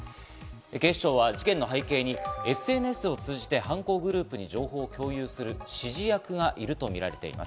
警視庁は事件の背景にＳＮＳを通じて、犯行グループに情報を共有する指示役がいるとみられています。